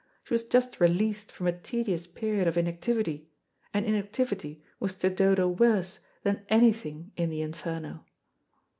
She was just released from a tedious period of inactivity, and inactivity was to Dodo worse than anything in the Inferno.